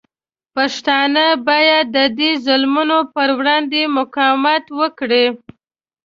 پښتانه باید د دې ظلمونو پر وړاندې مقاومت وکړي.